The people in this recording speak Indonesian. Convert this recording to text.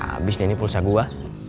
abis deh ini pulsa gua